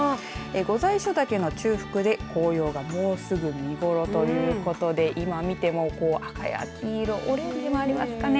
御在所岳の中腹で紅葉がもうすぐ見頃ということで今見てもこう赤や黄色オレンジもありますかね。